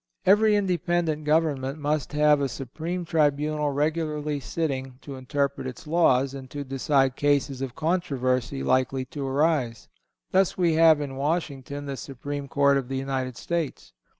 Every independent government must have a supreme tribunal regularly sitting to interpret its laws, and to decide cases of controversy likely to arise. Thus we have in Washington the Supreme Court of the United States.